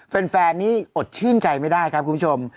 แฟนนี้อดชื่นใจไม่ได้ครับคุณผู้ชม